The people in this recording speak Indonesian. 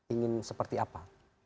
ingin seperti apa